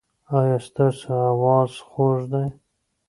ایا ستاسو اواز خوږ دی؟